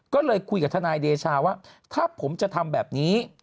ก็เลยคุยกับทนายเดชาว่าถ้าผมจะทำแบบนี้